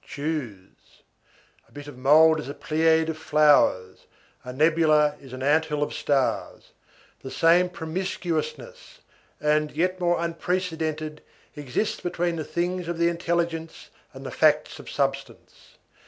Choose. A bit of mould is a pleiad of flowers; a nebula is an ant hill of stars. The same promiscuousness, and yet more unprecedented, exists between the things of the intelligence and the facts of substance.